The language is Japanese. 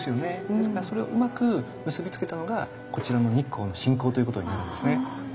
ですからそれをうまく結び付けたのがこちらの日光の信仰ということになりますね。